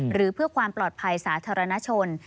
หรือเพื่อความปลอดภัยสาธารณชน